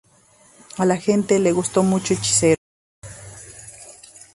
A la gente le gustó mucho "Hechiceros"".